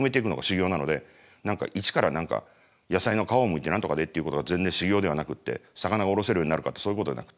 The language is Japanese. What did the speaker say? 何か一から野菜の皮をむいて何とかでっていうことが全然修業ではなくって魚をおろせるようになるかってそういうことじゃなくて。